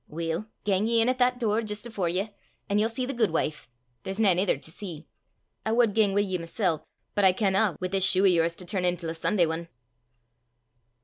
"Weel, gang ye in at that door jist afore ye, an' ye'll see the guidwife there's nane ither til see. I wad gang wi' ye mysel', but I canna, wi' this shue o' yours to turn intil a Sunday ane!"